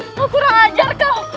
aku kurang ajar kau